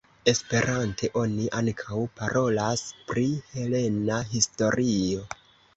Esperante oni ankaŭ parolas pri helena historio.